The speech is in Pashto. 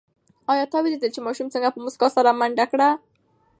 آیا تا ولیدل چې ماشوم څنګه په موسکا سره منډه کړه؟